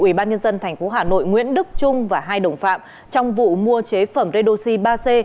ủy ban nhân dân thành phố hà nội nguyễn đức trung và hai đồng phạm trong vụ mua chế phẩm redoxy ba c